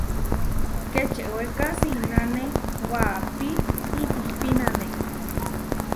Kečeweka sinane waʼapí itihpínane.